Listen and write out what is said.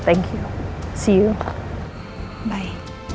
sekarang aku harus pikirin gimana cara